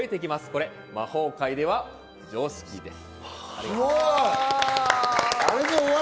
これ魔法界では常識です。